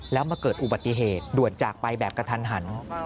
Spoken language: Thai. แล้วมาเกิดอุบัติเหตุด่วนจากไปแบบกระทันหัน